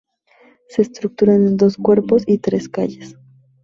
Se estructura en dos cuerpos y tres calles.